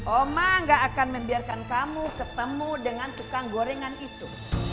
oma gak akan membiarkan kamu ketemu dengan tukang gorengan itu